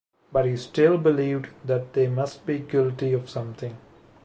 But he still believed that they must be guilty of something.